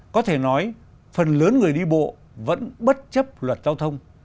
có thể nói phần lớn người đi bộ vẫn bất chấp luật giao thông